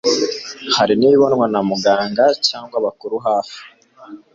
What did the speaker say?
Hari n'ibibonwa na muganga cyangwa abakuri hafi